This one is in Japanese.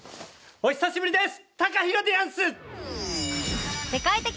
お久しぶりです。